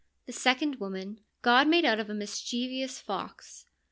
The second woman God made out of a mischievous fox.